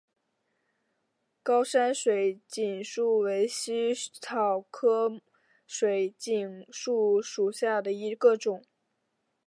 高山水锦树为茜草科水锦树属下的一个种。